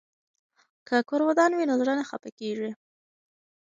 که کور ودان وي نو زړه نه خفه کیږي.